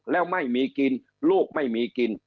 แล้วไม่มีกินลูกไม่มีกิน